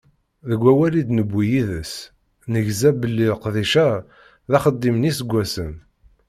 Deg wawal i d-newwi yid-s, negza belli leqdic-a, d axeddim n yiseggasen.